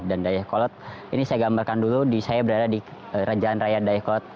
di dayakolot ini saya gambarkan dulu saya berada di jalan raya dayakolot